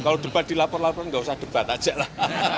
kalau debat dilapor laporan nggak usah debat aja lah